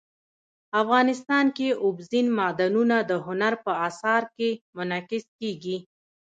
افغانستان کې اوبزین معدنونه د هنر په اثار کې منعکس کېږي.